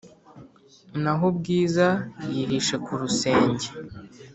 naho bwiza yihishe kurusenge